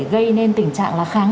gây nên tình trạng là kháng